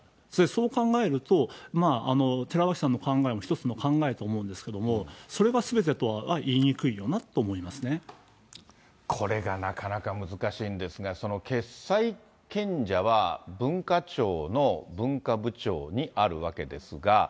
そう考えると、寺脇さんの考えも、一つの考えと思うんですけど、それがすべてとは言いにくいよなとこれがなかなか難しいんですが、その決裁権者は、文化庁の文化部長にあるわけですが。